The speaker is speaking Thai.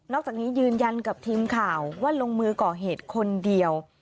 จากนี้ยืนยันกับทีมข่าวว่าลงมือก่อเหตุคนเดียว